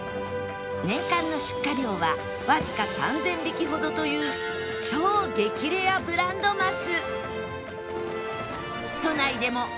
年間の出荷量はわずか３０００匹ほどという超激レアブランドマス